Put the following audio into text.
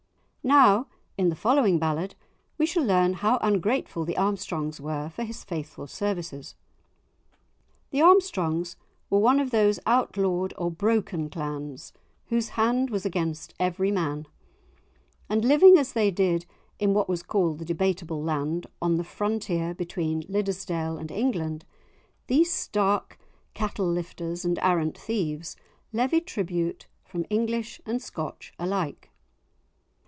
Now in the following ballad we shall learn how ungrateful the Armstrongs were for his faithful services. The Armstrongs were one of those outlawed or broken clans, whose hand was against every man, and living as they did in what was called the Debateable Land, on the frontier between Liddesdale and England, these stark cattle lifters and arrant thieves levied tribute from English and Scotch alike.